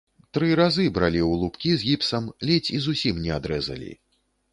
Тры разы бралі ў лубкі з гіпсам, ледзь і зусім не адрэзалі.